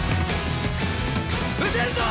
打てるぞ！